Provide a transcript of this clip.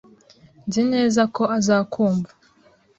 Nzi neza ko azakumva.